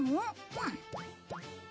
うん。